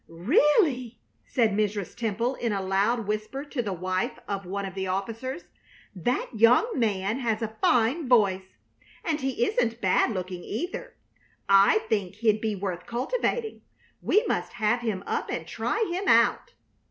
"Really," said Mrs. Temple, in a loud whisper to the wife of one of the officers, "that young man has a fine voice, and he isn't bad looking, either. I think he'd be worth cultivating. We must have him up and try him out."